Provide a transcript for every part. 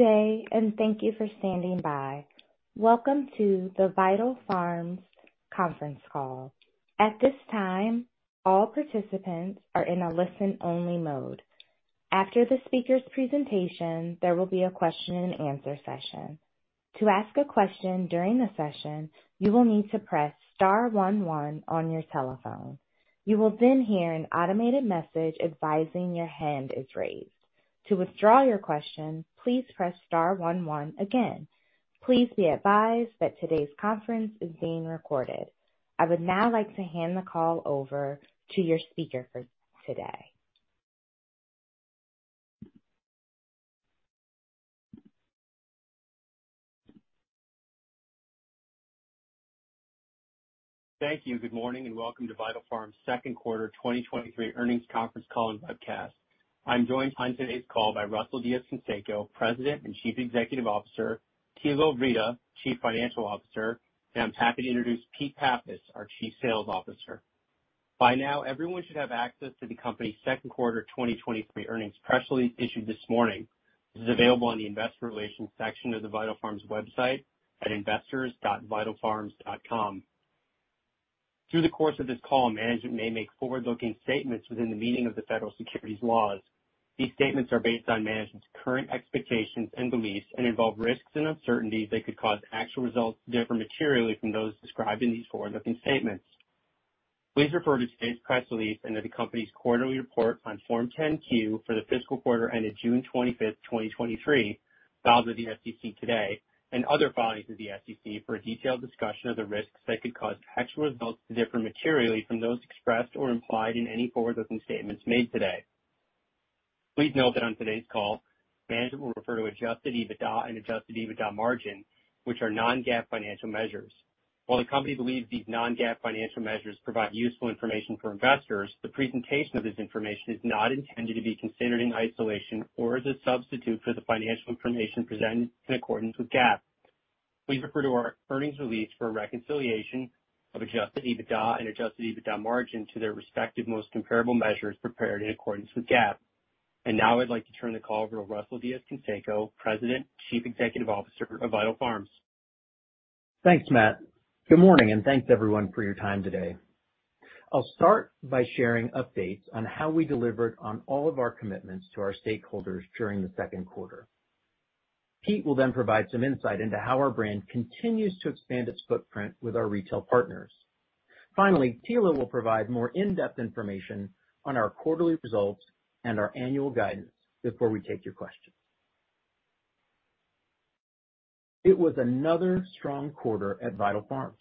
Good day. Thank you for standing by. Welcome to the Vital Farms conference call. At this time, all participants are in a listen-only mode. After the speaker's presentation, there will be a question and answer session. To ask a question during the session, you will need to press star one one on your telephone. You will hear an automated message advising your hand is raised. To withdraw your question, please press star one one again. Please be advised that today's conference is being recorded. I would now like to hand the call over to your speaker for today. Thank you. Good morning, and welcome to Vital Farms' second quarter 2023 earnings conference call and webcast. I'm joined on today's call by Russell Diez-Canseco, President and Chief Executive Officer, Thilo Wrede, Chief Financial Officer, and I'm happy to introduce Pete Pappas, our Chief Sales Officer. By now, everyone should have access to the company's second quarter 2023 earnings press release issued this morning. This is available on the investor relations section of the Vital Farms website at investors.vitalfarms.com. Through the course of this call, management may make forward-looking statements within the meaning of the federal securities laws. These statements are based on management's current expectations and beliefs and involve risks and uncertainties that could cause actual results to differ materially from those described in these forward-looking statements. Please refer to today's press release and to the company's quarterly report on Form 10-Q for the fiscal quarter ended June 25th, 2023, filed with the SEC today, and other filings with the SEC for a detailed discussion of the risks that could cause actual results to differ materially from those expressed or implied in any forward-looking statements made today. Please note that on today's call, management will refer to adjusted EBITDA and adjusted EBITDA margin, which are non-GAAP financial measures. While the company believes these non-GAAP financial measures provide useful information for investors, the presentation of this information is not intended to be considered in isolation or as a substitute for the financial information presented in accordance with GAAP. Please refer to our earnings release for a reconciliation of adjusted EBITDA and adjusted EBITDA margin to their respective most comparable measures prepared in accordance with GAAP. Now I'd like to turn the call over to Russell Diez-Canseco, President and Chief Executive Officer of Vital Farms. Thanks, Matt. Good morning, and thanks everyone for your time today. I'll start by sharing updates on how we delivered on all of our commitments to our stakeholders during the second quarter. Pete will then provide some insight into how our brand continues to expand its footprint with our retail partners. Finally, Thilo will provide more in-depth information on our quarterly results and our annual guidance before we take your questions. It was another strong quarter at Vital Farms.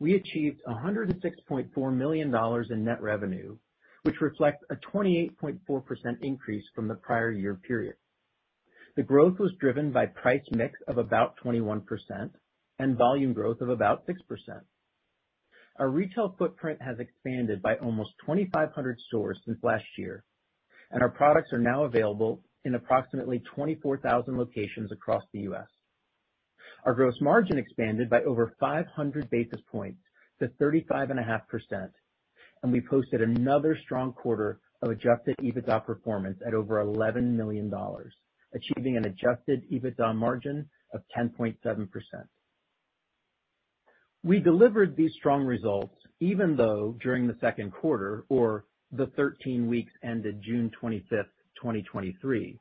We achieved $106.4 million in net revenue, which reflects a 28.4% increase from the prior year period. The growth was driven by price mix of about 21% and volume growth of about 6%. Our retail footprint has expanded by almost 2,500 stores since last year, and our products are now available in approximately 24,000 locations across the US. Our gross margin expanded by over 500 basis points to 35.5%. We posted another strong quarter of adjusted EBITDA performance at over $11 million, achieving an adjusted EBITDA margin of 10.7%. We delivered these strong results even though during the second quarter, or the 13 weeks ended June 25th, 2023,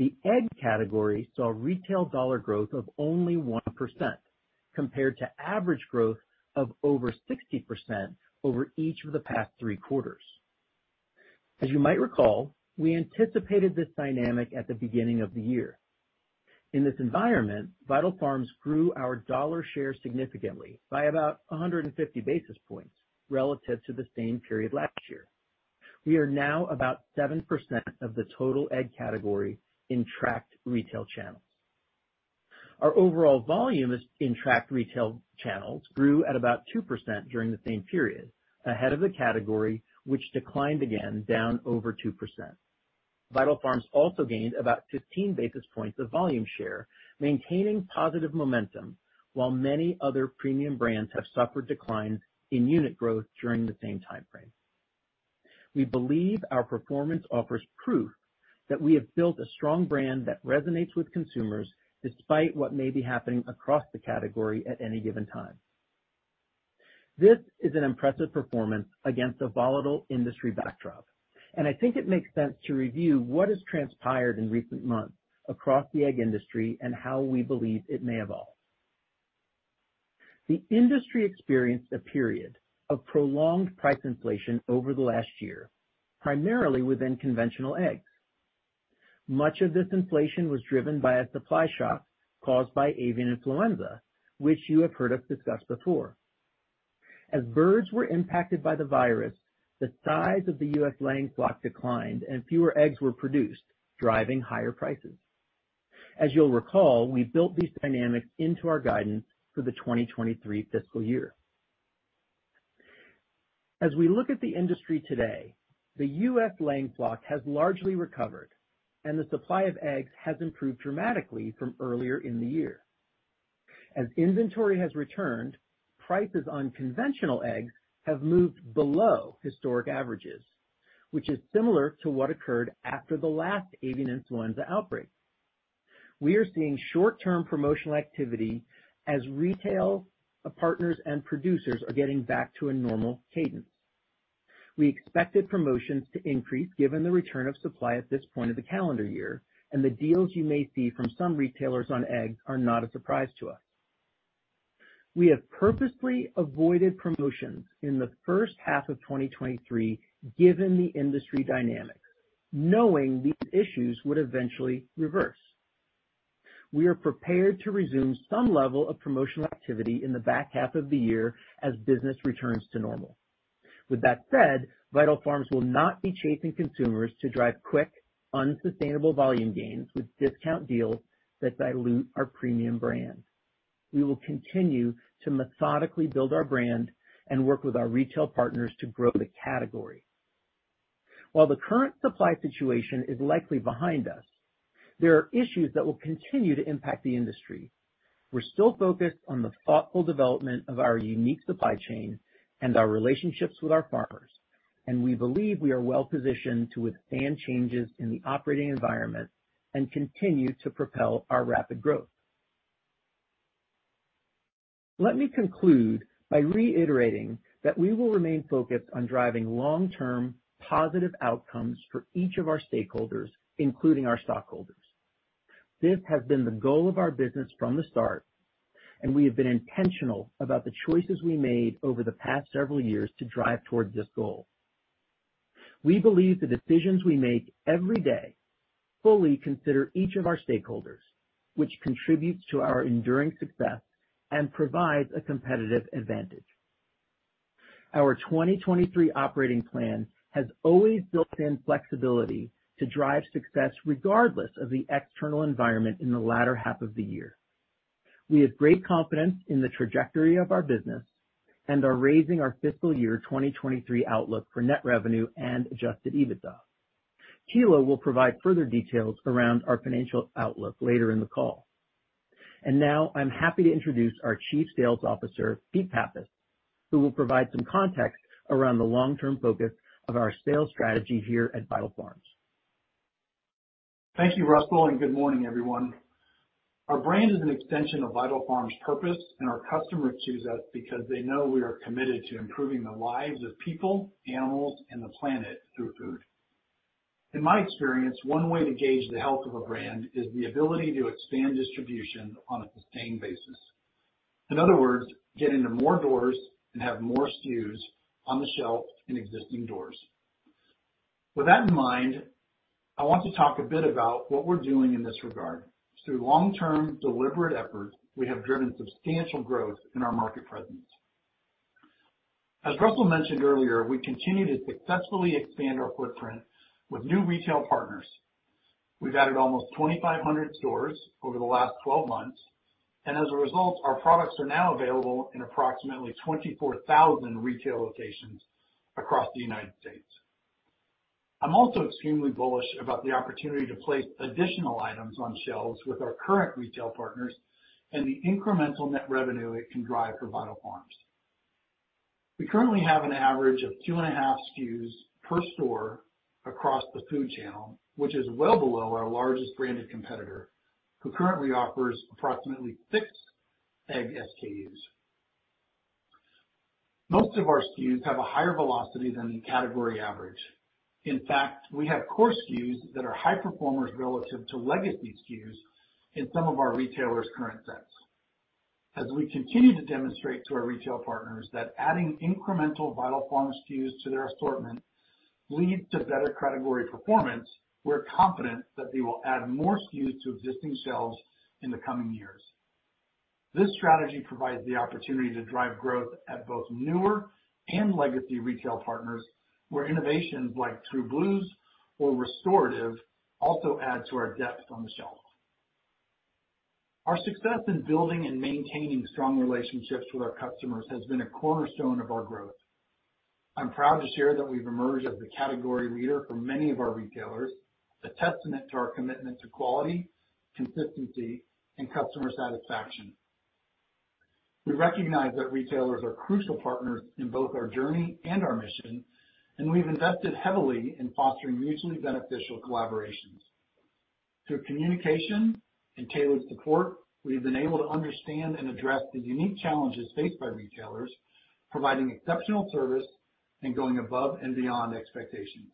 the egg category saw retail dollar growth of only 1% compared to average growth of over 60% over each of the past three quarters. As you might recall, we anticipated this dynamic at the beginning of the year. In this environment, Vital Farms grew our dollar share significantly by about 150 basis points relative to the same period last year. We are now about 7% of the total egg category in tracked retail channels. Our overall volume is in tracked retail channels, grew at about 2% during the same period, ahead of the category, which declined again, down over 2%. Vital Farms also gained about 15 basis points of volume share, maintaining positive momentum, while many other premium brands have suffered declines in unit growth during the same timeframe. We believe our performance offers proof that we have built a strong brand that resonates with consumers, despite what may be happening across the category at any given time. This is an impressive performance against a volatile industry backdrop, I think it makes sense to review what has transpired in recent months across the egg industry and how we believe it may evolve. The industry experienced a period of prolonged price inflation over the last year, primarily within conventional eggs. Much of this inflation was driven by a supply shock caused by Avian influenza, which you have heard us discuss before. As birds were impacted by the virus, the size of the U.S. laying flock declined and fewer eggs were produced, driving higher prices. As you'll recall, we built these dynamics into our guidance for the 2023 fiscal year. As we look at the industry today, the U.S. laying flock has largely recovered, and the supply of eggs has improved dramatically from earlier in the year. As inventory has returned, prices on conventional eggs have moved below historic averages, which is similar to what occurred after the last avian influenza outbreak. We are seeing short-term promotional activity as retail partners and producers are getting back to a normal cadence. We expected promotions to increase given the return of supply at this point of the calendar year, and the deals you may see from some retailers on eggs are not a surprise to us. We have purposely avoided promotions in the first half of 2023, given the industry dynamics, knowing these issues would eventually reverse. We are prepared to resume some level of promotional activity in the back half of the year as business returns to normal. With that said, Vital Farms will not be chasing consumers to drive quick, unsustainable volume gains with discount deals that dilute our premium brand. We will continue to methodically build our brand and work with our retail partners to grow the category. While the current supply situation is likely behind us, there are issues that will continue to impact the industry. We're still focused on the thoughtful development of our unique supply chain and our relationships with our farmers, and we believe we are well positioned to withstand changes in the operating environment and continue to propel our rapid growth. Let me conclude by reiterating that we will remain focused on driving long-term positive outcomes for each of our stakeholders, including our stockholders. This has been the goal of our business from the start, and we have been intentional about the choices we made over the past several years to drive towards this goal. We believe the decisions we make every day fully consider each of our stakeholders, which contributes to our enduring success and provides a competitive advantage. Our 2023 operating plan has always built in flexibility to drive success regardless of the external environment in the latter half of the year. We have great confidence in the trajectory of our business and are raising our fiscal year 2023 outlook for net revenue and adjusted EBITDA. Thilo will provide further details around our financial outlook later in the call. Now I'm happy to introduce our Chief Sales Officer, Pete Pappas, who will provide some context around the long-term focus of our sales strategy here at Vital Farms. Thank you, Russell. Good morning, everyone. Our brand is an extension of Vital Farms' purpose, and our customers choose us because they know we are committed to improving the lives of people, animals, and the planet through food. In my experience, one way to gauge the health of a brand is the ability to expand distribution on a sustained basis. In other words, get into more doors and have more SKUs on the shelf in existing doors. With that in mind, I want to talk a bit about what we're doing in this regard. Through long-term, deliberate efforts, we have driven substantial growth in our market presence. As Russell mentioned earlier, we continue to successfully expand our footprint with new retail partners. We've added almost 2,500 stores over the last 12 months, and as a result, our products are now available in approximately 24,000 retail locations across the United States. I'm also extremely bullish about the opportunity to place additional items on shelves with our current retail partners and the incremental net revenue it can drive for Vital Farms. We currently have an average of 2.5 SKUs per store across the food channel, which is well below our largest branded competitor, who currently offers approximately six egg SKUs. Most of our SKUs have a higher velocity than the category average. In fact, we have core SKUs that are high performers relative to legacy SKUs in some of our retailers' current sets. As we continue to demonstrate to our retail partners that adding incremental Vital Farms SKUs to their assortment leads to better category performance, we're confident that they will add more SKUs to existing shelves in the coming years. This strategy provides the opportunity to drive growth at both newer and legacy retail partners, where innovations like True Blues or Restorative also add to our depth on the shelf. Our success in building and maintaining strong relationships with our customers has been a cornerstone of our growth. I'm proud to share that we've emerged as a category leader for many of our retailers, a testament to our commitment to quality, consistency, and customer satisfaction. We recognize that retailers are crucial partners in both our journey and our mission, and we've invested heavily in fostering mutually beneficial collaborations. Through communication and tailored support, we've been able to understand and address the unique challenges faced by retailers, providing exceptional service and going above and beyond expectations.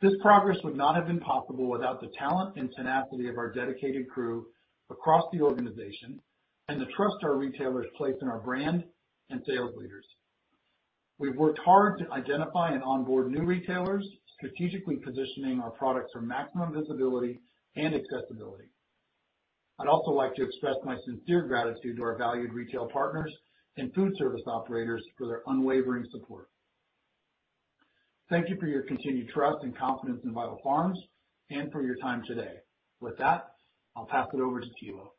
This progress would not have been possible without the talent and tenacity of our dedicated crew across the organization and the trust our retailers place in our brand and sales leaders. We've worked hard to identify and onboard new retailers, strategically positioning our products for maximum visibility and accessibility. I'd also like to express my sincere gratitude to our valued retail partners and food service operators for their unwavering support. Thank you for your continued trust and confidence in Vital Farms, and for your time today. With that, I'll pass it over to Thilo.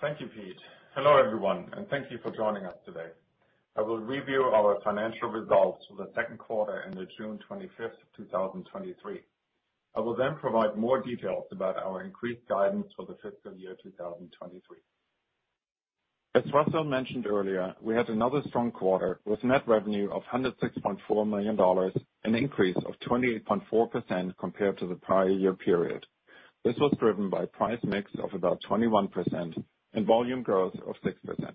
Thank you, Pete. Hello, everyone, and thank you for joining us today. I will review our financial results for the second quarter and the June 25, 2023. I will provide more details about our increased guidance for the fiscal year 2023. As Russell mentioned earlier, we had another strong quarter with net revenue of $106.4 million, an increase of 28.4% compared to the prior year period. This was driven by price mix of about 21% and volume growth of 6%.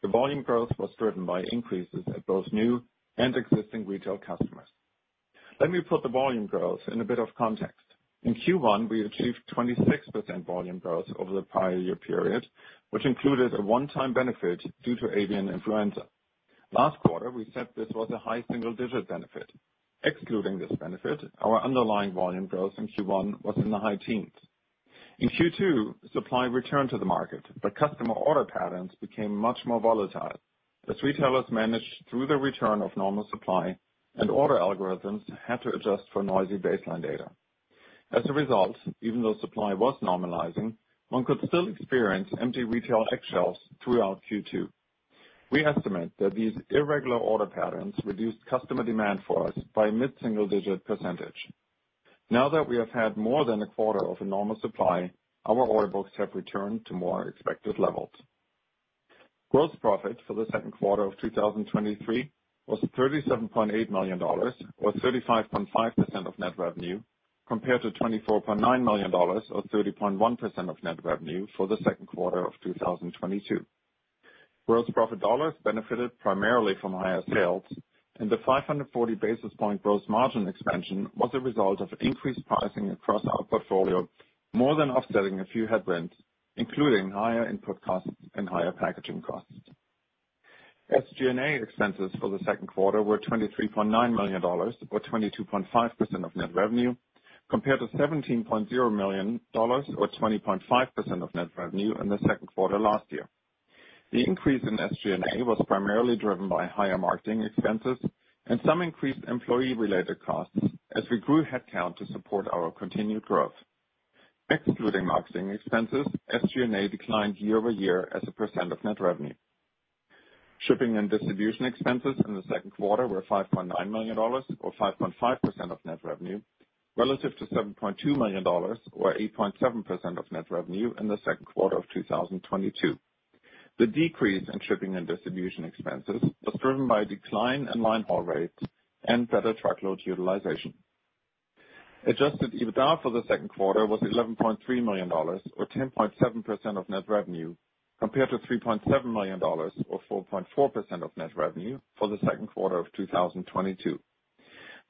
The volume growth was driven by increases at both new and existing retail customers. Let me put the volume growth in a bit of context. In Q1, we achieved 26% volume growth over the prior year period, which included a one-time benefit due to avian influenza. Last quarter, we said this was a high single digit benefit. Excluding this benefit, our underlying volume growth in Q1 was in the high teens. In Q2, supply returned to the market, but customer order patterns became much more volatile as retailers managed through the return of normal supply and order algorithms had to adjust for noisy baseline data. As a result, even though supply was normalizing, one could still experience empty retail egg shelves throughout Q2. We estimate that these irregular order patterns reduced customer demand for us by mid-single digit %. Now that we have had more than a quarter of a normal supply, our order books have returned to more expected levels. Gross profit for the second quarter of 2023 was $37.8 million, or 35.5% of net revenue, compared to $24.9 million, or 30.1% of net revenue for the second quarter of 2022. Gross profit dollars benefited primarily from higher sales, and the 540 basis point gross margin expansion was a result of increased pricing across our portfolio, more than offsetting a few headwinds, including higher input costs and higher packaging costs. SG&A expenses for the second quarter were $23.9 million, or 22.5% of net revenue, compared to $17.0 million, or 20.5% of net revenue in the second quarter last year. The increase in SG&A was primarily driven by higher marketing expenses and some increased employee-related costs as we grew headcount to support our continued growth. Excluding marketing expenses, SG&A declined year-over-year as a % of net revenue. Shipping and distribution expenses in the second quarter were $5.9 million, or 5.5% of net revenue, relative to $7.2 million, or 8.7% of net revenue in the second quarter of 2022. The decrease in shipping and distribution expenses was driven by a decline in line haul rates and better truckload utilization. Adjusted EBITDA for the second quarter was $11.3 million or 10.7% of net revenue, compared to $3.7 million or 4.4% of net revenue for the second quarter of 2022.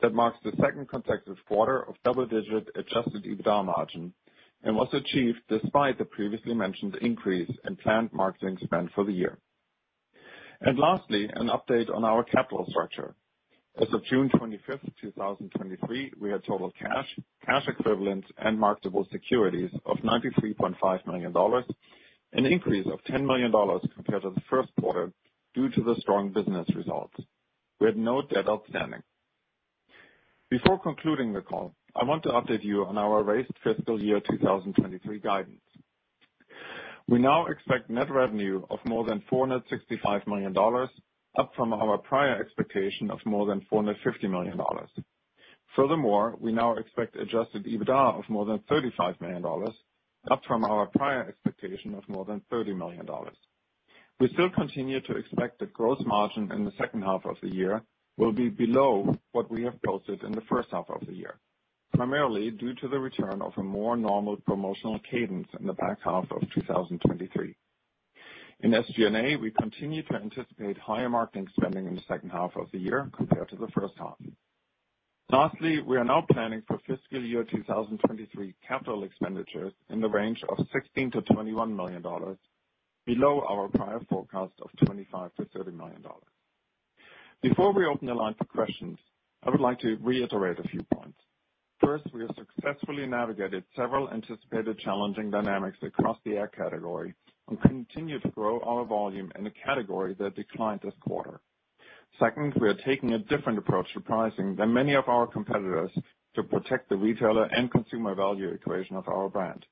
That marks the second consecutive quarter of double-digit adjusted EBITDA margin and was achieved despite the previously mentioned increase in planned marketing spend for the year. Lastly, an update on our capital structure. As of June 25th, 2023, we had total cash, cash equivalents, and marketable securities of $93.5 million, an increase of $10 million compared to the first quarter due to the strong business results. We had no debt outstanding. Before concluding the call, I want to update you on our raised fiscal year 2023 guidance. We now expect net revenue of more than $465 million, up from our prior expectation of more than $450 million. Furthermore, we now expect adjusted EBITDA of more than $35 million, up from our prior expectation of more than $30 million. We still continue to expect that gross margin in the second half of the year will be below what we have posted in the first half of the year, primarily due to the return of a more normal promotional cadence in the back half of 2023. In SG&A, we continue to anticipate higher marketing spending in the second half of the year compared to the first half. Lastly, we are now planning for fiscal year 2023 capital expenditures in the range of $16 million-$21 million, below our prior forecast of $25 million-$30 million. Before we open the line for questions, I would like to reiterate a few points. First, we have successfully navigated several anticipated challenging dynamics across the egg category and continue to grow our volume in a category that declined this quarter. Second, we are taking a different approach to pricing than many of our competitors to protect the retailer and consumer value equation of our brand.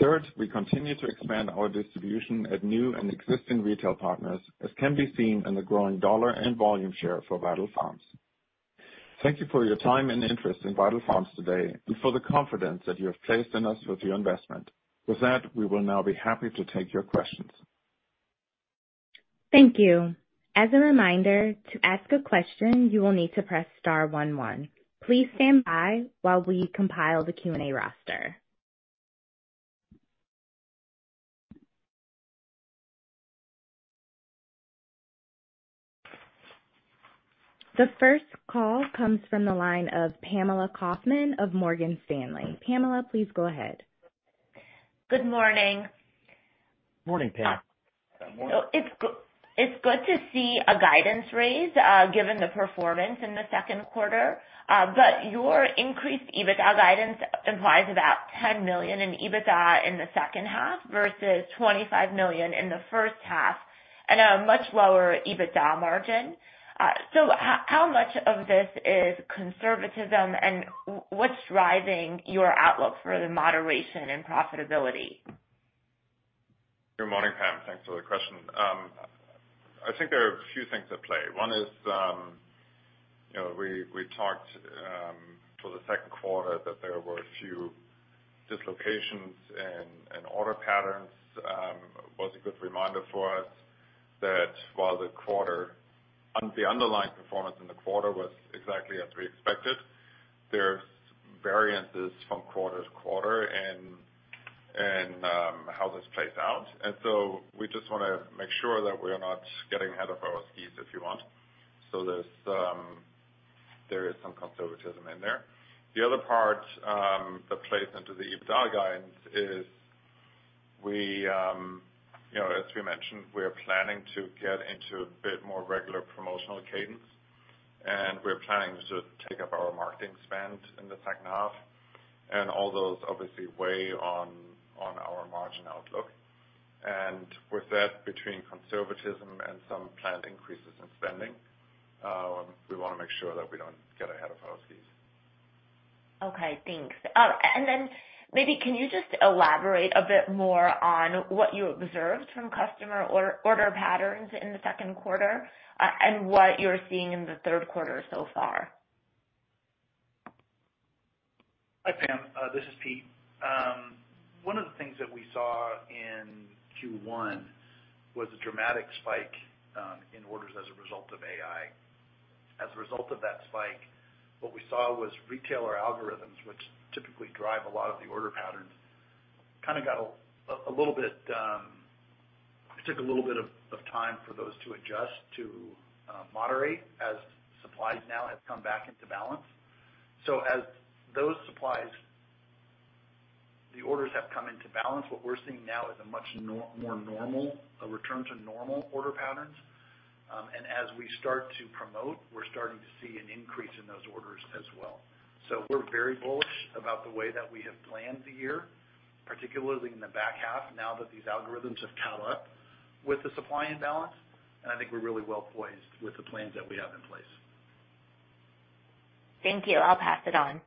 Third, we continue to expand our distribution at new and existing retail partners, as can be seen in the growing dollar and volume share for Vital Farms. Thank you for your time and interest in Vital Farms today and for the confidence that you have placed in us with your investment. With that, we will now be happy to take your questions. Thank you. As a reminder, to ask a question, you will need to press star one, one. Please stand by while we compile the Q&A roster. The first call comes from the line of Pamela Kaufman of Morgan Stanley. Pamela, please go ahead. Good morning. Morning, Pam. It's good to see a guidance raise, given the performance in the second quarter. Your increased EBITDA guidance implies about $10 million in EBITDA in the second half versus $25 million in the first half and a much lower EBITDA margin. How much of this is conservatism and what's driving your outlook for the moderation and profitability? Good morning, Pam. Thanks for the question. I think there are a few things at play. One is, you know, we, we talked for the second quarter that there were a few dislocations in, in order patterns, was a good reminder for us that while the quarter. On the underlying performance in the quarter was exactly as we expected, there's variances from quarter to quarter in, in how this plays out. We just wanna make sure that we are not getting ahead of our skis, if you want. There's there is some conservatism in there. The other part that plays into the EBITDA guidance is we, you know, as we mentioned, we are planning to get into a bit more regular promotional cadence, and we're planning to take up our marketing spend in the second half. All those obviously weigh on, on our margin outlook. With that, between conservatism and some planned increases in spending, we wanna make sure that we don't get ahead of our skis. Okay, thanks. Maybe can you just elaborate a bit more on what you observed from customer order, order patterns in the second quarter, and what you're seeing in the third quarter so far? Hi, Pam, this is Pete. One of the things that we saw in Q1 was a dramatic spike in orders as a result of AI. As a result of that spike, what we saw was retailer algorithms, which typically drive a lot of the order patterns, kind of got a little bit. It took a little bit of time for those to adjust, to moderate as supplies now have come back into balance. As those supplies, the orders have come into balance, what we're seeing now is a much more normal, a return to normal order patterns. As we start to promote, we're starting to see an increase in those orders as well. We're very bullish about the way that we have planned the year, particularly in the back half, now that these algorithms have caught up with the supply and balance. I think we're really well poised with the plans that we have in place. Thank you. I'll pass it on.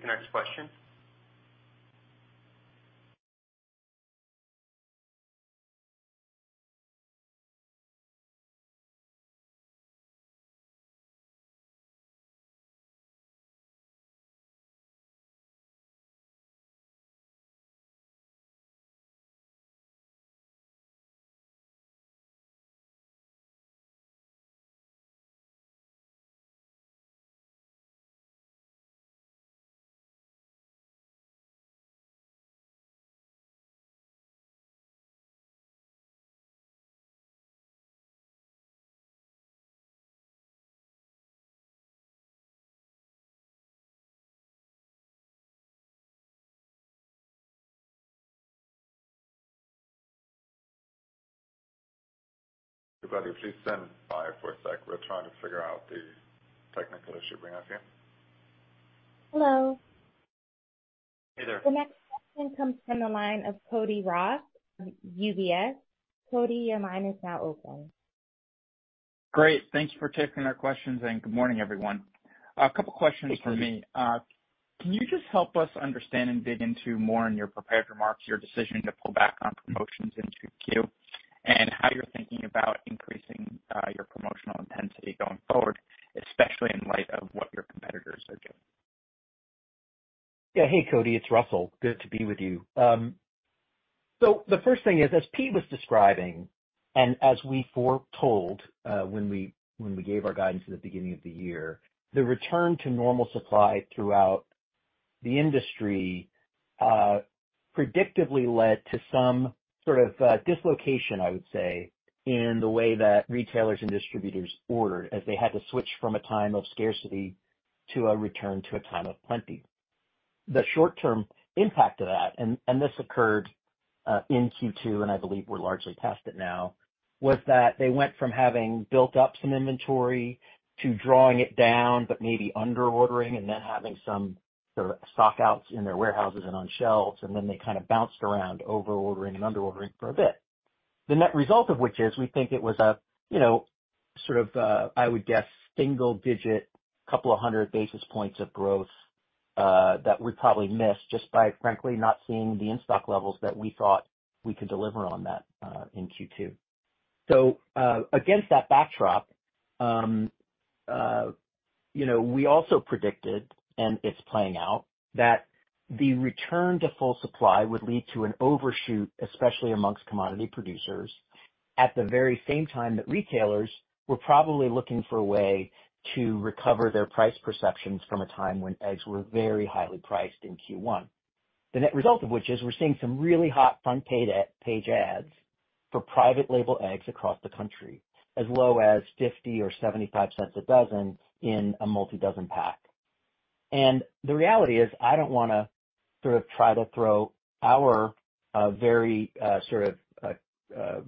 The next question. Everybody, please stand by for a sec. We're trying to figure out the technical issue we have here. Hello. Hey there. The next question comes from the line of Cody Ross, UBS. Cody, your line is now open. Great. Thank you for taking our questions. Good morning, everyone. A couple questions for me. Can you just help us understand and dig into more on your prepared remarks, your decision to pull back on promotions in Q2, and how you're thinking about increasing your promotional intensity going forward, especially in light of what your competitors are doing? Hey, Cody, it's Russell. Good to be with you. The first thing is, as Pete was describing, and as we foretold, when we, when we gave our guidance at the beginning of the year, the return to normal supply throughout the industry, predictively led to some sort of dislocation, I would say, in the way that retailers and distributors ordered, as they had to switch from a time of scarcity to a return to a time of plenty. The short-term impact of that, and this occurred in Q2, and I believe we're largely past it now, was that they went from having built up some inventory to drawing it down, but maybe under ordering and then having some sort of stock-outs in their warehouses and on shelves, and then they kind of bounced around over ordering and under ordering for a bit. The net result of which is we think it was a, you know, sort of, I would guess, single digit, 200 basis points of growth that we probably missed just by frankly, not seeing the in-stock levels that we thought we could deliver on that in Q2. Against that backdrop, you know, we also predicted, and it's playing out, that the return to full supply would lead to an overshoot, especially amongst commodity producers, at the very same time that retailers were probably looking for a way to recover their price perceptions from a time when eggs were very highly priced in Q1. The net result of which is we're seeing some really hot front page ads for private label eggs across the country, as low as $0.50 or $0.75 a dozen in a multi-dozen pack. The reality is, I don't wanna sort of try to throw our very sort of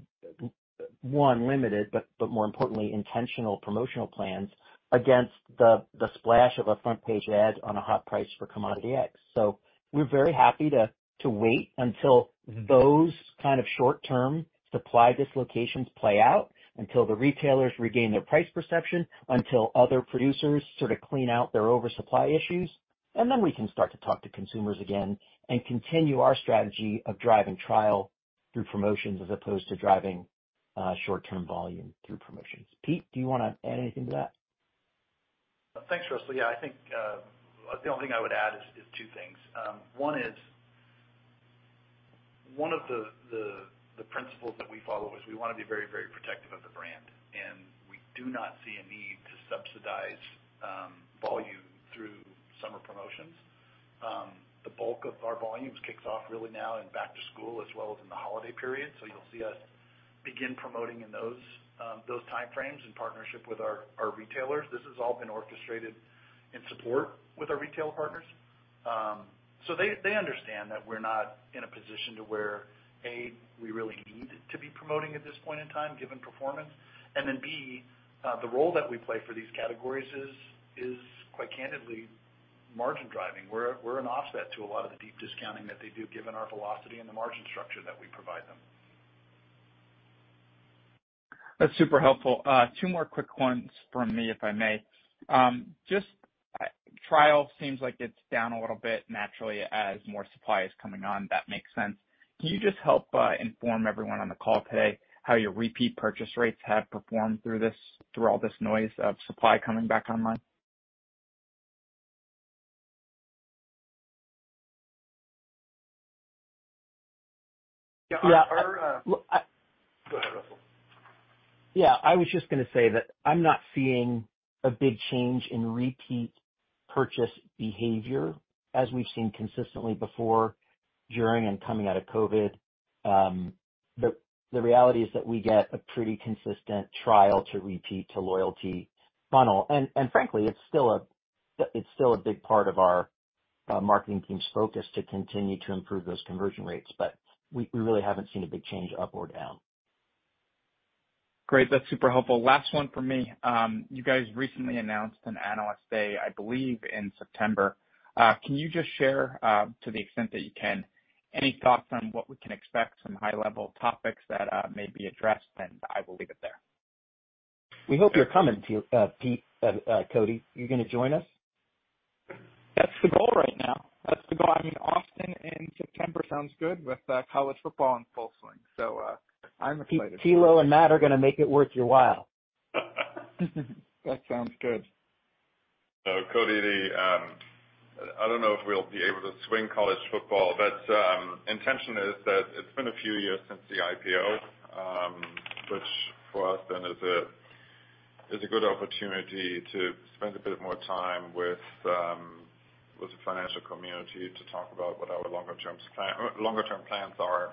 one, limited, but more importantly, intentional promotional plans against the splash of a front page ad on a hot price for commodity X. We're very happy to, to wait until those kind of short-term supply dislocations play out, until the retailers regain their price perception, until other producers sort of clean out their oversupply issues, and then we can start to talk to consumers again and continue our strategy of driving trial through promotions as opposed to driving short-term volume through promotions. Pete, do you wanna add anything to that? Thanks, Russell. Yeah, I think the only thing I would add is two things. 1 is, one of the, the, the principles that we follow is we wanna be very, very protective of the brand, we do not see a need to subsidize volume through summer promotions. The bulk of our volumes kicks off really now in back to school as well as in the holiday period. You'll see us begin promoting in those those timeframes in partnership with our, our retailers. This has all been orchestrated in support with our retail partners. They, they understand that we're not in a position to where, A, we really need to be promoting at this point in time, given performance, B, the role that we play for these categories is, is quite candidly margin driving. We're, we're an offset to a lot of the deep discounting that they do, given our velocity and the margin structure that we provide them. That's super helpful. Two more quick ones from me, if I may. Just trial seems like it's down a little bit naturally as more supply is coming on. That makes sense. Can you just help inform everyone on the call today how your repeat purchase rates have performed through this- through all this noise of supply coming back online? Yeah, our. Yeah. Well, Go ahead, Russell. Yeah, I was just gonna say that I'm not seeing a big change in repeat purchase behavior as we've seen consistently before, during, and coming out of COVID. The reality is that we get a pretty consistent trial to repeat to loyalty funnel. Frankly, it's still a, it's still a big part of our marketing team's focus to continue to improve those conversion rates, but we, we really haven't seen a big change up or down. Great. That's super helpful. Last one from me. You guys recently announced an Analyst Day, I believe, in September. Can you just share, to the extent that you can, any thoughts on what we can expect from high-level topics that may be addressed? I will leave it there. We hope you're coming, Pete, Cody. You're gonna join us? That's the goal right now. That's the goal. I mean Austin in September sounds good with college football in full swing, so I'm excited. Thilo and Matt are gonna make it worth your while. That sounds good. Cody, I don't know if we'll be able to swing college football, but intention is that it's been a few years since the IPO, which for us then is a good opportunity to spend a bit more time with the financial community to talk about what our longer term plans are,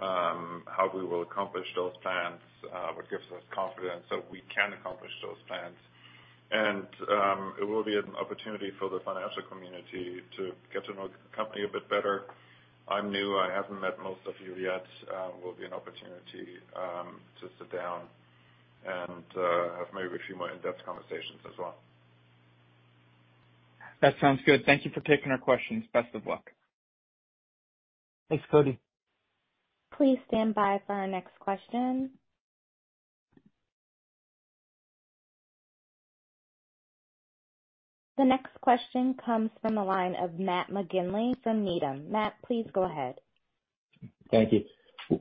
how we will accomplish those plans, what gives us confidence that we can accomplish those plans. It will be an opportunity for the financial community to get to know the company a bit better. I'm new. I haven't met most of you yet. Will be an opportunity to sit down and have maybe a few more in-depth conversations as well. That sounds good. Thank you for taking our questions. Best of luck. Thanks, Cody. Please stand by for our next question. The next question comes from the line of Matt McGinley from Needham. Matt, please go ahead. Thank you.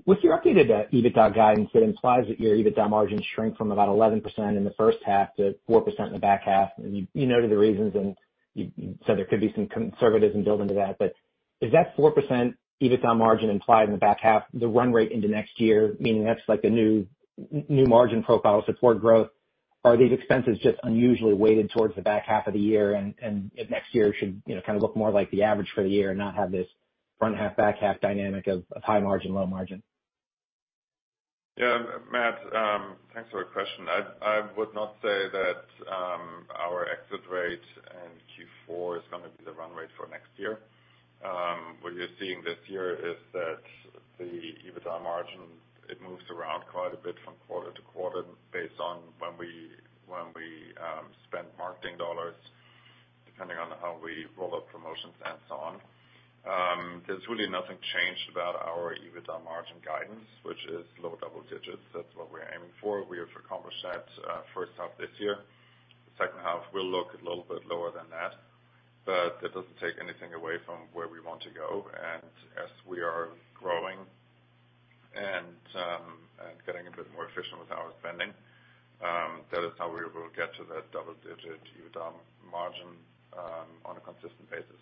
With your updated EBITDA guidance, it implies that your EBITDA margins shrink from about 11% in the first half to 4% in the back half. You, you noted the reasons, and you, you said there could be some conservatism built into that. Is that 4% EBITDA margin implied in the back half, the run rate into next year, meaning that's like the new, new margin profile to support growth? Are these expenses just unusually weighted towards the back half of the year, and next year should, you know, kind of look more like the average for the year and not have this front half, back half dynamic of, of high margin, low margin? Yeah, Matt, thanks for your question. I would not say that our exit rate in Q4 is going to be the run rate for next year. What you're seeing this year is that the EBITDA margin, it moves around quite a bit from quarter to quarter based on when we spend marketing dollars, depending on how we roll out promotions and so on. There's really nothing changed about our EBITDA margin guidance, which is low double digits. That's what we're aiming for. We have accomplished that first half this year. The second half will look a little bit lower than that, that doesn't take anything away from where we want to go. As we are growing and, and getting a bit more efficient with our spending, that is how we will get to that double-digit EBITDA margin, on a consistent basis.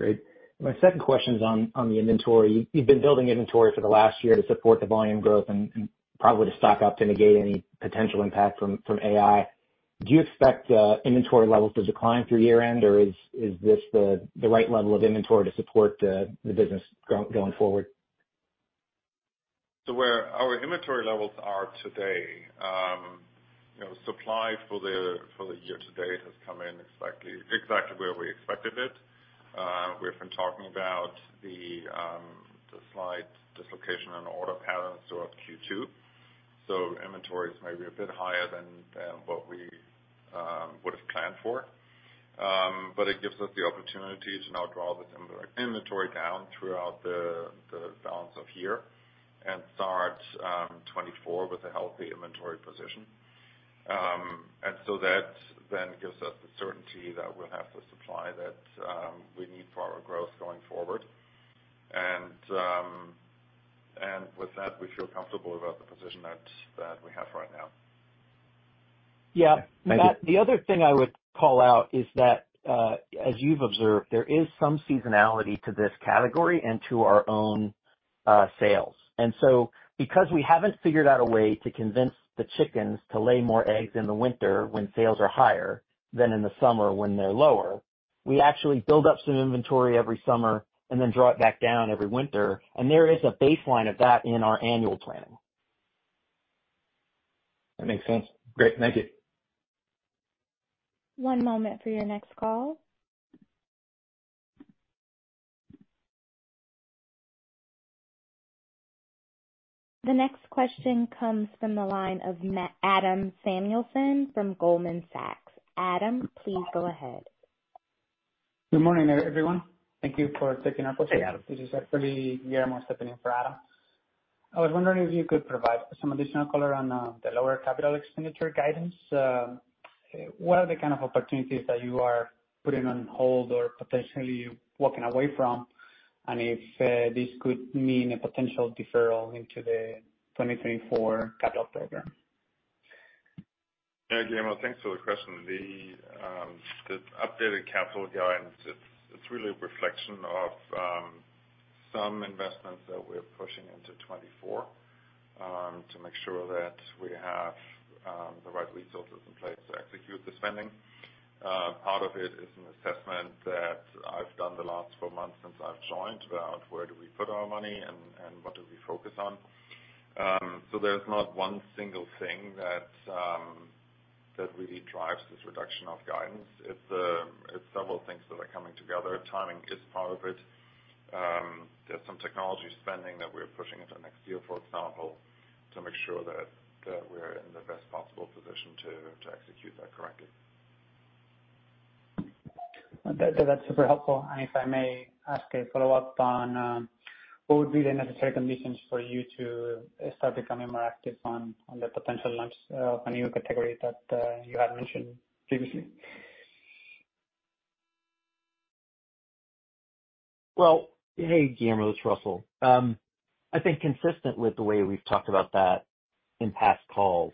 Great. My second question is on, on the inventory. You've been building inventory for the last year to support the volume growth and, and probably to stock up to negate any potential impact from, from AI. Do you expect inventory levels to decline through year-end, or is this the right level of inventory to support the business going forward? Where our inventory levels are today. You know, supply for the year to date has come in exactly, exactly where we expected it. We've been talking about the slight dislocation in order patterns throughout Q2. Inventory is maybe a bit higher than, than what we would have planned for. It gives us the opportunity to now draw this inventory down throughout the balance of year and start 2024 with a healthy inventory position. That then gives us the certainty that we'll have the supply that we need for our growth going forward. With that, we feel comfortable about the position that, that we have right now. Yeah. Matt, the other thing I would call out is that, as you've observed, there is some seasonality to this category and to our own sales. Because we haven't figured out a way to convince the chickens to lay more eggs in the winter when sales are higher than in the summer when they're lower, we actually build up some inventory every summer and then draw it back down every winter. There is a baseline of that in our annual planning. That makes sense. Great, thank you. One moment for your next call. The next question comes from the line of Adam Samuelson from Goldman Sachs. Adam, please go ahead. Good morning, everyone. Thank you for taking our call. This is actually Guillermo stepping in for Adam. I was wondering if you could provide some additional color on the lower capital expenditure guidance. What are the kind of opportunities that you are putting on hold or potentially walking away from? If this could mean a potential deferral into the 2024 capital program? Yeah, Guillermo, thanks for the question. The, the updated capital guidance, it's, it's really a reflection of, some investments that we're pushing into 2024, to make sure that we have, the right resources in place to execute the spending. Part of it is an assessment that I've done the last four months since I've joined, about where do we put our money and, and what do we focus on? There's not one single thing that, that really drives this reduction of guidance. It's, it's several things that are coming together. Timing is part of it. There's some technology spending that we're pushing into next year, for example, to make sure that, that we're in the best possible position to, to execute that correctly. That, that's super helpful. If I may ask a follow-up on, what would be the necessary conditions for you to start becoming more active on, on the potential launch of a new category that, you had mentioned previously? Well, hey, Guillermo, it's Russell. I think consistent with the way we've talked about that in past calls,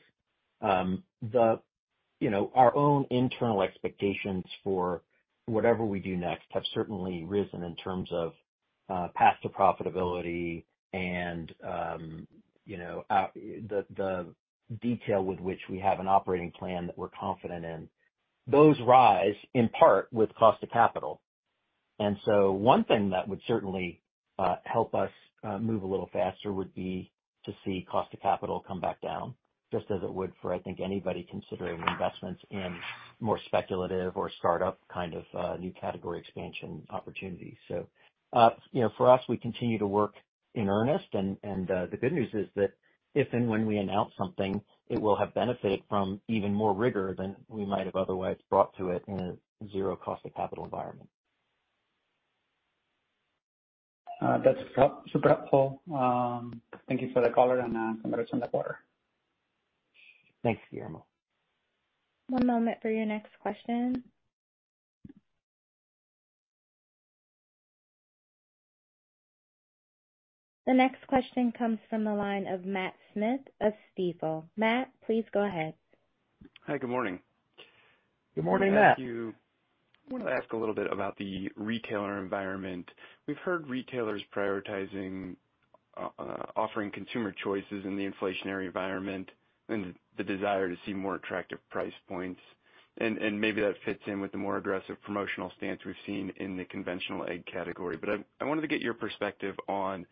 You know, our own internal expectations for whatever we do next have certainly risen in terms of path to profitability and, you know, the, the detail with which we have an operating plan that we're confident in. Those rise, in part, with cost of capital. One thing that would certainly help us move a little faster would be to see cost of capital come back down, just as it would for, I think, anybody considering investments in more speculative or startup kind of new category expansion opportunities. You know, for us, we continue to work in earnest, and, and, the good news is that if and when we announce something, it will have benefited from even more rigor than we might have otherwise brought to it in a zero-cost of capital environment. That's super helpful. Thank you for the color and comments on the quarter. Thanks, Guillermo. One moment for your next question. The next question comes from the line of Matt Smith of Stifel. Matt, please go ahead. Hi, good morning. Good morning, Matt. Thank you. I wanted to ask a little bit about the retailer environment. We've heard retailers prioritizing offering consumer choices in the inflationary environment and the desire to see more attractive price points, and, and maybe that fits in with the more aggressive promotional stance we've seen in the conventional egg category. I, I wanted to get your perspective on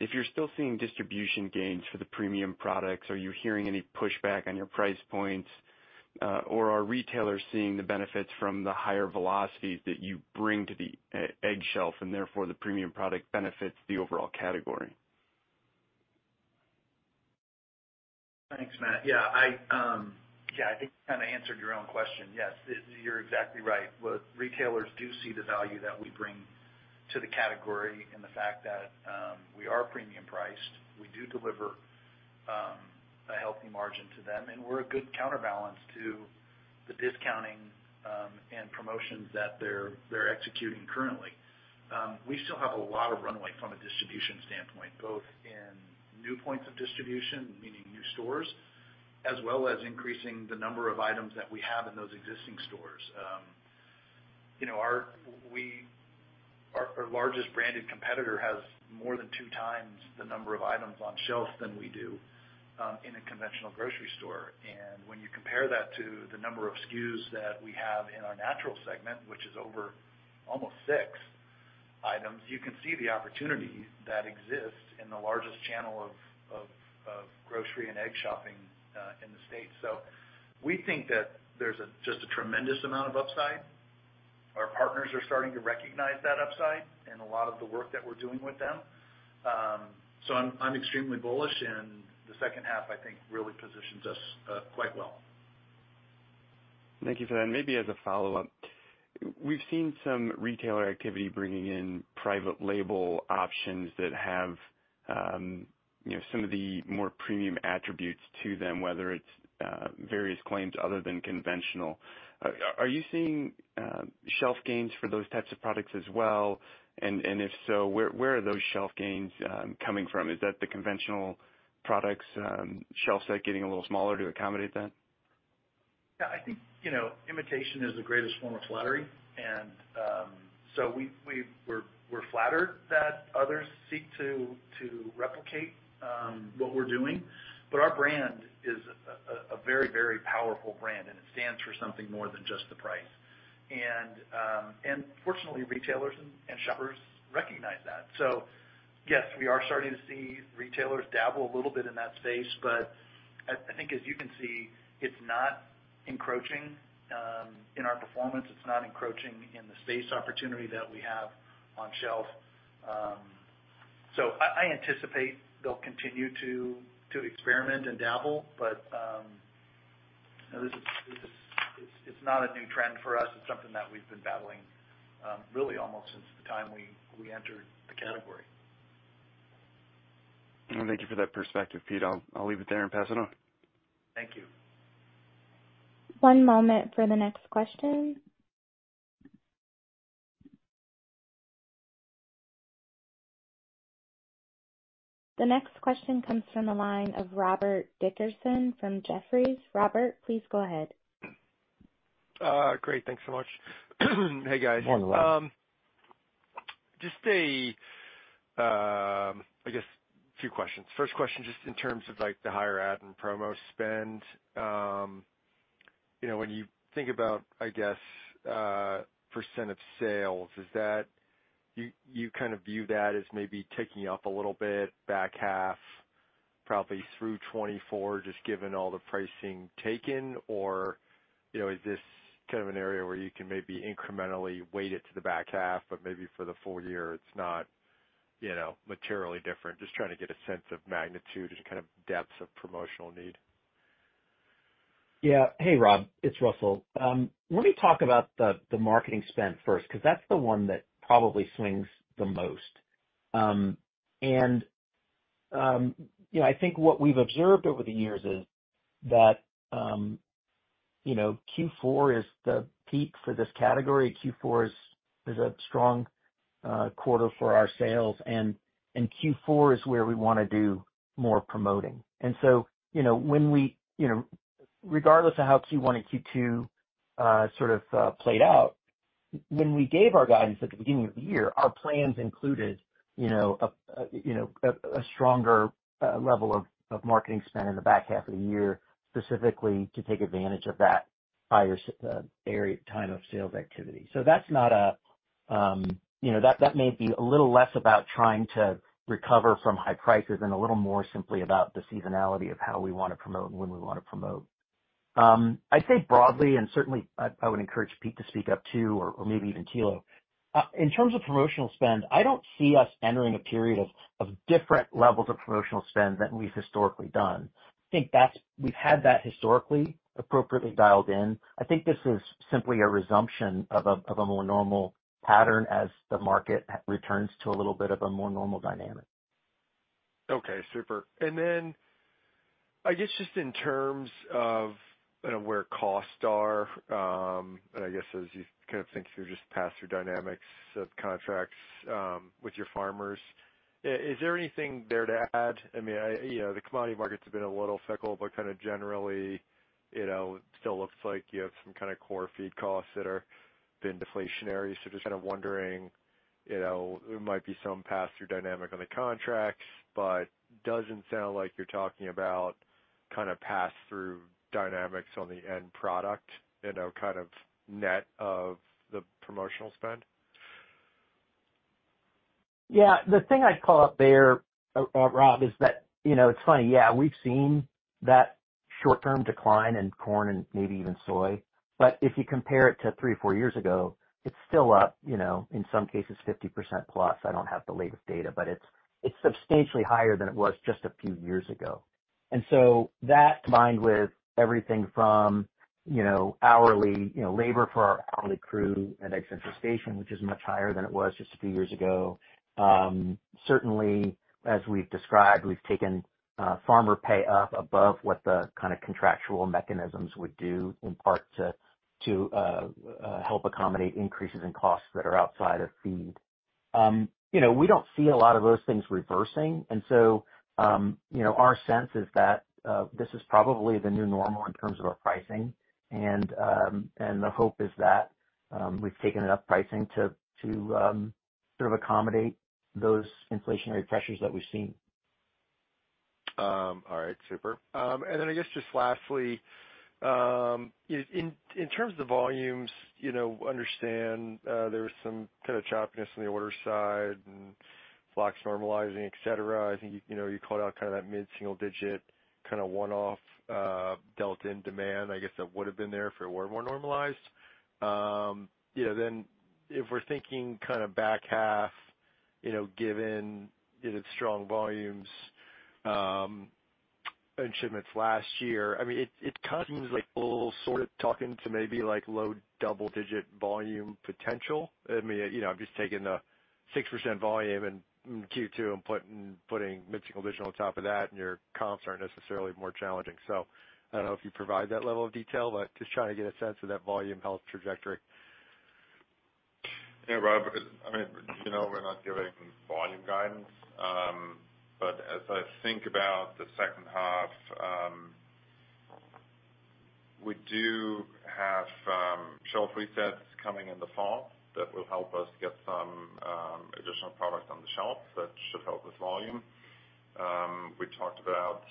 if you're still seeing distribution gains for the premium products, are you hearing any pushback on your price points? Are retailers seeing the benefits from the higher velocities that you bring to the egg shelf, and therefore, the premium product benefits the overall category? Thanks, Matt. Yeah, I, yeah, I think you kind of answered your own question. Yes, you're exactly right. Retailers do see the value that we bring to the category and the fact that we are premium priced, we do deliver a healthy margin to them, and we're a good counterbalance to the discounting and promotions that they're, they're executing currently. We still have a lot of runway from a distribution standpoint, both in new points of distribution, meaning new stores, as well as increasing the number of items that we have in those existing stores. You know, our largest branded competitor has more than 2 times the number of items on shelf than we do in a conventional grocery store. When you compare that to the number of SKUs that we have in our natural segment, which is over almost six items, you can see the opportunity that exists in the largest channel of, of, of grocery and egg shopping, in the state. We think that there's a just a tremendous amount of upside. Our partners are starting to recognize that upside in a lot of the work that we're doing with them. I'm, I'm extremely bullish. The second half, I think, really positions us, quite well. Thank you for that. Maybe as a follow-up, we've seen some retailer activity bringing in private label options that have, you know, some of the more premium attributes to them, whether it's various claims other than conventional. Are, are you seeing shelf gains for those types of products as well? If so, where, where are those shelf gains coming from? Is that the conventional products shelf set getting a little smaller to accommodate that? Yeah, I think, you know, imitation is the greatest form of flattery. So we're flattered that others seek to replicate what we're doing. Our brand is a very, very powerful brand, and it stands for something more than just the price. Fortunately, retailers and shoppers recognize that. Yes, we are starting to see retailers dabble a little bit in that space, but I think, as you can see, it's not encroaching in our performance. It's not encroaching in the space opportunity that we have on shelf. I anticipate they'll continue to experiment and dabble, but, you know, it's not a new trend for us. It's something that we've been battling really almost since the time we entered the category. Thank you for that perspective, Pete. I'll, I'll leave it there and pass it on. Thank you. One moment for the next question. The next question comes from the line of Robert Dickerson from Jefferies. Robert, please go ahead. Great. Thanks so much. Hey, guys. Hi, Rob. Just a, I guess two questions. First question, just in terms of, like, the higher ad and promo spend. You know, when you think about, I guess, % of sales, is that you, you kind of view that as maybe ticking up a little bit back half, probably through 2024, just given all the pricing taken? Or, you know, is this kind of an area where you can maybe incrementally weight it to the back half, but maybe for the full year, it's not, you know, materially different? Just trying to get a sense of magnitude and kind of depth of promotional need. Yeah. Hey, Rob, it's Russell. Let me talk about the, the marketing spend first, because that's the one that probably swings the most. You know, I think what we've observed over the years is that, you know, Q4 is the peak for this category. Q4 is, is a strong, quarter for our sales, and, and Q4 is where we wanna do more promoting. You know, when we, you know, regardless of how Q1 and Q2, sort of, played out, when we gave our guidance at the beginning of the year, our plans included, you know, a, a, you know, a, a stronger, level of, of marketing spend in the back half of the year, specifically to take advantage of that higher time of sales activity. That's not a, you know, that, that may be a little less about trying to recover from high prices and a little more simply about the seasonality of how we wanna promote and when we wanna promote. I'd say broadly, and certainly, I- I would encourage Pete to speak up too, or, or maybe even Thilo. In terms of promotional spend, I don't see us entering a period of, of different levels of promotional spend than we've historically done. I think that's-- we've had that historically appropriately dialed in. I think this is simply a resumption of a, of a more normal pattern as the market returns to a little bit of a more normal dynamic. Okay, super. Then I guess just in terms of, you know, where costs are, and I guess as you kind of think through just pass-through dynamics of contracts, with your farmers, is there anything there to add? I mean, I, you know, the commodity markets have been a little fickle, but kind of generally, you know, it still looks like you have some kind of core feed costs that have been deflationary. Just kind of wondering, you know, there might be some pass-through dynamic on the contracts, but doesn't sound like you're talking about kind of pass-through dynamics on the end product, you know, kind of net of the promotional spend. Yeah. The thing I'd call out there, Rob, is that, you know, it's funny, yeah, we've seen that short-term decline in corn and maybe even soy, but if you compare it to three or four years ago, it's still up, you know, in some cases, 50% plus. I don't have the latest data, but it's, it's substantially higher than it was just a few years ago. That, combined with everything from, you know, hourly, you know, labor for our hourly crew at Egg Central Station, which is much higher than it was just a few years ago. Certainly, as we've described, we've taken farmer pay up above what the kind of contractual mechanisms would do, in part to, to, help accommodate increases in costs that are outside of feed. You know, we don't see a lot of those things reversing. You know, our sense is that this is probably the new normal in terms of our pricing. The hope is that we've taken enough pricing to, to, sort of accommodate those inflationary pressures that we've seen. All right, super. Then I guess just lastly, in, in terms of the volumes, you know, understand, there was some kind of choppiness on the order side and flocks normalizing, et cetera. I think, you know, you called out kind of that mid-single digit, kind of one-off, delta in demand. I guess that would have been there if it were more normalized. Then if we're thinking kind of back half, you know, given, you know, strong volumes, and shipments last year, I mean, it, it kind of seems like a little sort of talking to maybe like low double digit volume potential. I mean, you know, I'm just taking the 6% volume in Q2 and putting, putting mid-single digit on top of that, and your comps aren't necessarily more challenging. I don't know if you provide that level of detail, but just trying to get a sense of that volume health trajectory. Yeah, Rob, I mean, you know, we're not giving volume guidance. As I think about the second half, we do have shelf resets coming in the fall that will help us get some additional product on the shelf. That should help with volume. We talked about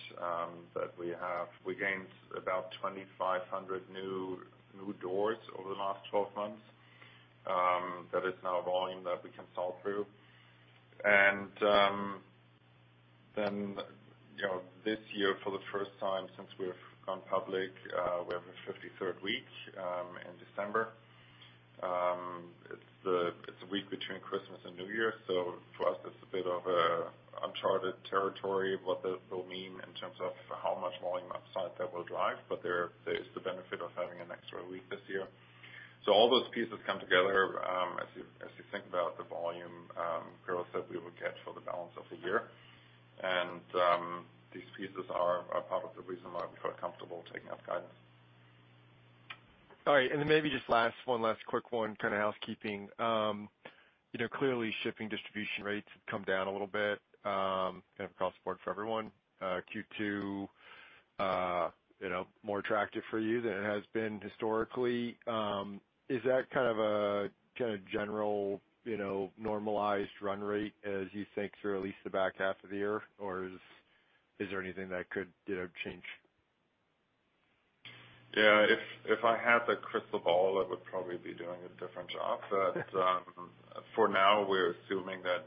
that we gained about 2,500 new, new doors over the last 12 months. That is now volume that we can sell through. You know, this year, for the first time since we've gone public, we have a 53rd week in December. It's a week between Christmas and New Year, so for us, it's a bit of uncharted territory, what that will mean in terms of how much volume upside that will drive, but there is the benefit of having an extra week this year. All those pieces come together, as you, as you think about the volume, growth that we will get for the balance of the year. These pieces are, are part of the reason why we feel comfortable taking up guidance. All right. Then maybe just last one, last quick one, kind of housekeeping. You know, clearly shipping distribution rates have come down a little bit, kind of across the board for everyone. Q2, you know, more attractive for you than it has been historically. Is that kind of a general, you know, normalized run rate as you think through at least the back half of the year? Or is, is there anything that could, you know, change? Yeah, if, if I had a crystal ball, I would probably be doing a different job. For now, we're assuming that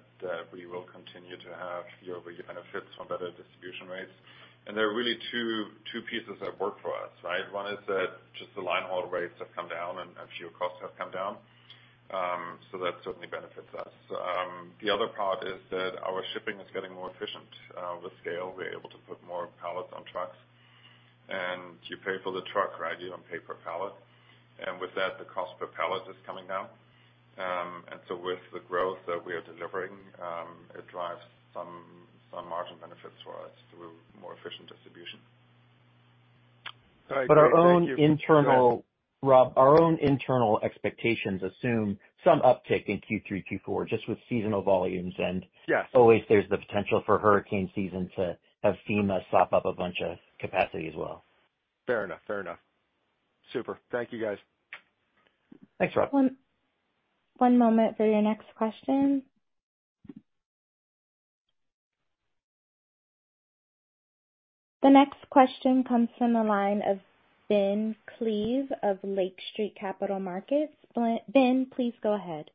we will continue to have year-over-year benefits from better distribution rates. There are really two pieces at work for us, right? One is that just the line haul rates have come down and fuel costs have come down. That certainly benefits us. The other part is that our shipping is getting more efficient. With scale, we're able to put more pallets on trucks, and you pay for the truck, right? You don't pay per pallet. With that, the cost per pallet is coming down. With the growth that we are delivering, it drives some margin benefits for us through more efficient distribution. All right, thank you- Our own Rob, our own internal expectations assume some uptick in Q3, Q4, just with seasonal volumes and. Yes. Always there's the potential for hurricane season to have FEMA sop up a bunch of capacity as well. Fair enough. Fair enough. Super. Thank you, guys. Thanks, Rob. One, one moment for your next question. The next question comes from the line of Ben Klieve of Lake Street Capital Markets. Ben, please go ahead.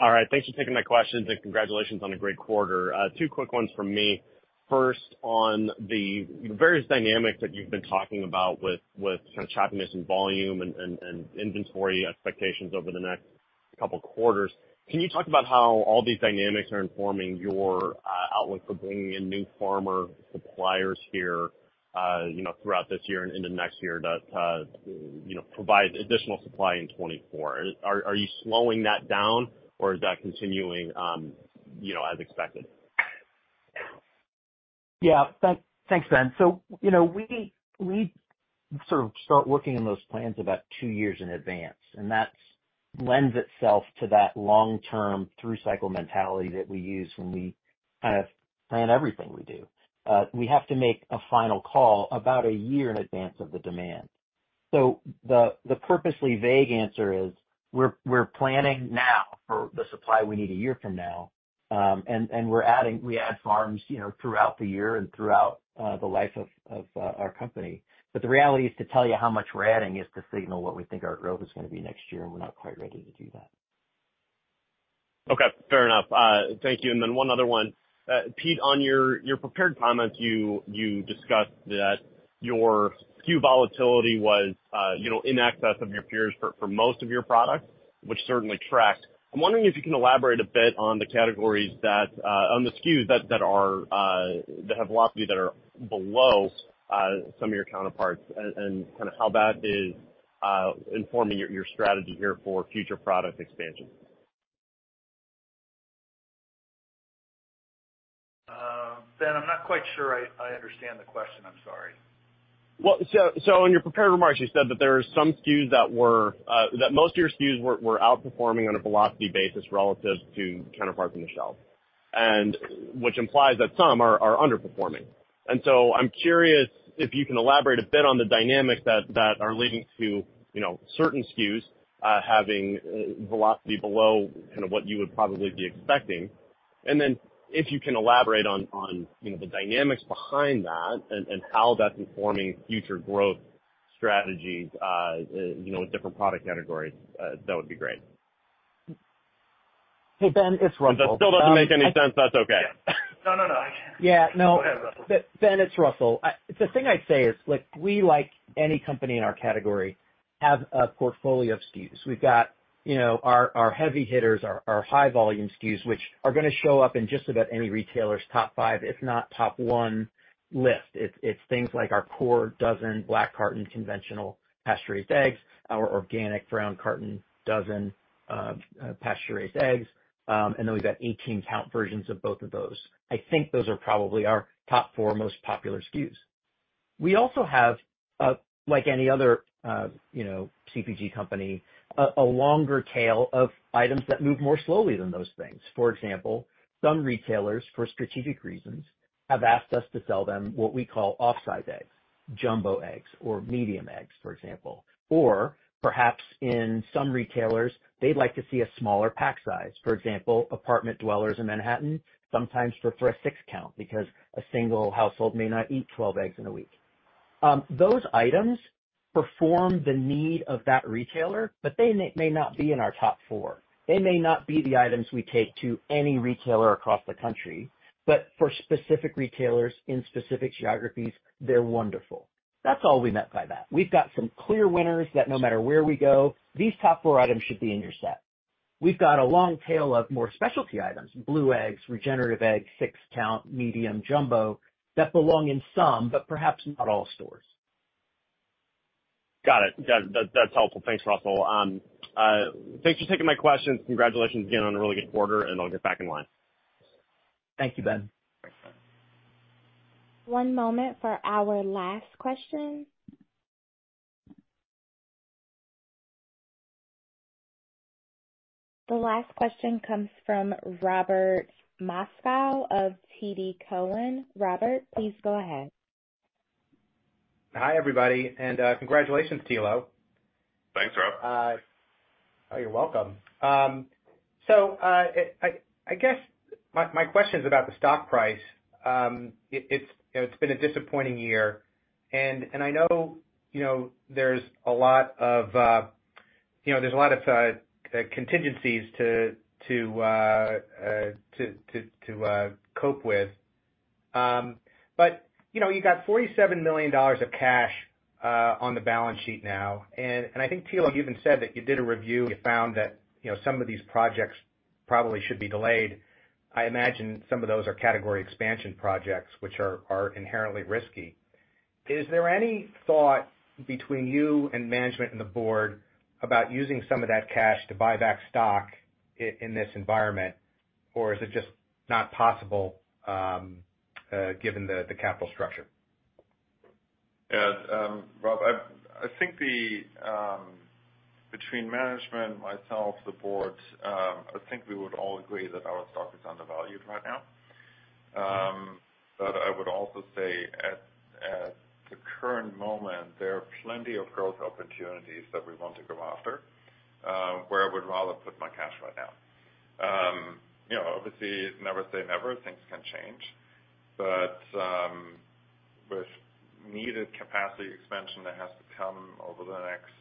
All right, thanks for taking my questions, and congratulations on a great quarter. Two quick ones from me. First, on the various dynamics that you've been talking about with, with kind of choppiness and volume and, and, and inventory expectations over the next couple quarters, can you talk about how all these dynamics are informing your outlook for bringing in new farmer suppliers here, you know, throughout this year and into next year to, you know, provide additional supply in 2024? Are, are you slowing that down or is that continuing, you know, as expected? Yeah. Thanks, Ben. You know, we, we sort of start working on those plans about two years in advance, and that's lends itself to that long-term through-cycle mentality that we use when we kind of plan everything we do. We have to make a final call about a year in advance of the demand. The, the purposely vague answer is we're, we're planning now for the supply we need a year from now, and we're adding, we add farms, you know, throughout the year and throughout the life of our company. The reality is to tell you how much we're adding is to signal what we think our growth is gonna be next year, and we're not quite ready to do that. Okay, fair enough. Thank you. Then one other one. Pete, on your, your prepared comments, you, you discussed that your SKU volatility was, you know, in excess of your peers for, for most of your products, which certainly tracks. I'm wondering if you can elaborate a bit on the categories that, on the SKUs that, that are, that have velocity that are below, some of your counterparts, and kind of how that is, informing your, your strategy here for future product expansion. Ben, I'm not quite sure I, I understand the question. I'm sorry. Well, so, so in your prepared remarks, you said that there are some SKUs that were, that most of your SKUs were, were outperforming on a velocity basis relative to counterparts on the shelf, and which implies that some are, are underperforming. I'm curious if you can elaborate a bit on the dynamics that, that are leading to, you know, certain SKUs having velocity below kind of what you would probably be expecting? Then if you can elaborate on, on, you know, the dynamics behind that and, and how that's informing future strategies, you know, with different product categories, that would be great. Hey, Ben, it's Russell. If that still doesn't make any sense, that's okay. No, no, no. Yeah, no. Go ahead, Russell. Ben, it's Russell. I the thing I'd say is, like, we, like any company in our category, have a portfolio of SKUs. We've got, you know, our, our heavy hitters, our, our high volume SKUs, which are gonna show up in just about any retailer's top five, if not top one list. It's, it's things like our core dozen black carton, conventional pasteurized eggs, our organic brown carton dozen, pasteurized eggs, and then we've got 18-count versions of both of those. I think those are probably our top four most popular SKUs. We also have, like any other, you know, CPG company, a longer tail of items that move more slowly than those things. For example, some retailers, for strategic reasons, have asked us to sell them what we call off-size eggs, jumbo eggs, or medium eggs, for example. Perhaps in some retailers, they'd like to see a smaller pack size. For example, apartment dwellers in Manhattan sometimes prefer a six-count because a single household may not eat 12 eggs in a week. Those items perform the need of that retailer, but they may not be in our top four. They may not be the items we take to any retailer across the country, but for specific retailers in specific geographies, they're wonderful. That's all we meant by that. We've got some clear winners that no matter where we go, these top four items should be in your set. We've got a long tail of more specialty items, blue eggs, regenerative eggs, six-count, medium, jumbo, that belong in some, but perhaps not all stores. Got it. That, that's helpful. Thanks, Russell. Thanks for taking my questions. Congratulations again on a really good quarter, and I'll get back in line. Thank you, Ben. Thanks, Ben. One moment for our last question. The last question comes from Robert Moskow of TD Cowen. Robert, please go ahead. Hi, everybody, congratulations, Thilo. Thanks, Rob. Oh, you're welcome. I guess my question is about the stock price. It's, you know, it's been a disappointing year, and, and I know, you know, there's a lot of, you know, there's a lot of contingencies to, to, to, to, cope with. You know, you got $47 million of cash on the balance sheet now, and, and I think, Thilo, you even said that you did a review, you found that, you know, some of these projects probably should be delayed. I imagine some of those are category expansion projects, which are, are inherently risky. Is there any thought between you and management and the board about using some of that cash to buy back stock in this environment? Or is it just not possible, given the, the capital structure? Yeah, Rob, I, I think the, between management, myself, the board, I think we would all agree that our stock is undervalued right now. I would also say at, at the current moment, there are plenty of growth opportunities that we want to go after, where I would rather put my cash right now. You know, obviously, never say never, things can change, but, with needed capacity expansion that has to come over the next,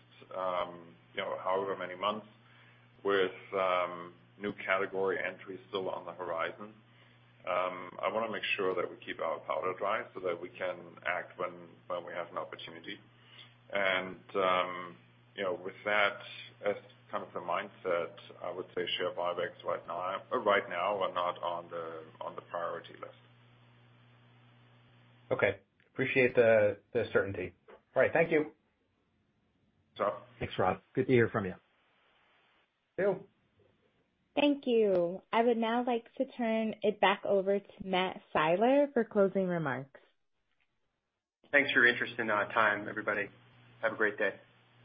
you know, however many months, with, new category entries still on the horizon, I wanna make sure that we keep our powder dry so that we can act when, when we have an opportunity. You know, with that as kind of the mindset, I would say share buybacks right now, right now are not on the, on the priority list. Okay. Appreciate the, the certainty. All right, thank you! Thanks, Rob. Thanks, Rob. Good to hear from you. See you. Thank you. I would now like to turn it back over to Matt Siler for closing remarks. Thanks for your interest and time, everybody. Have a great day.